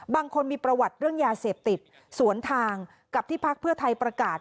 บางคนมีประวัติเรื่องยาเสพติดสวนทางกับที่พักเพื่อไทยประกาศ